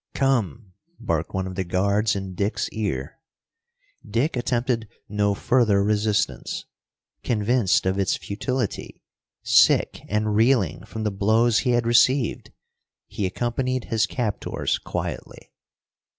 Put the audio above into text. "Come!" barked one of the guards in Dick's ear. Dick attempted no further resistance. Convinced of its futility, sick and reeling from the blows he had received, he accompanied his captors quietly.